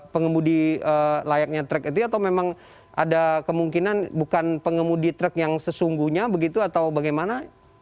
pengemudi layaknya truk itu atau memang ada kemungkinan bukan pengemudi truk yang sesungguhnya begitu atau bagaimana